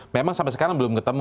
memang sampai sekarang belum ketemu